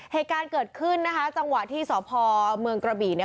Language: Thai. เหตุการณ์เกิดขึ้นนะคะจังหวะที่สพเมืองกระบี่เนี่ย